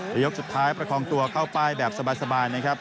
ยกสุดท้ายประคองตัวเข้าป้ายแบบสบายนะครับ